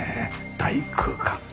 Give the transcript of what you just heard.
大空間。